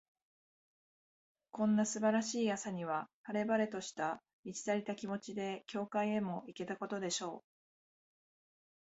こんな素晴らしい朝には、晴れ晴れとした、満ち足りた気持ちで、教会へも行けたことでしょう。